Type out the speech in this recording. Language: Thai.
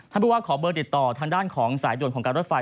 ผู้ว่าขอเบอร์ติดต่อทางด้านของสายด่วนของการรถไฟ